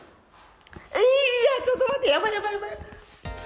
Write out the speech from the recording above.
いやー、ちょっと待って、やばい、やばい。